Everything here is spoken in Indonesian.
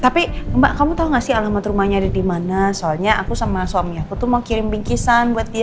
tapi mbak kamu tau gak sih alamat rumahnya ada di mana soalnya aku sama suami aku tuh mau kirim bingkisan buat dia